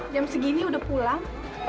jam segini udah pulang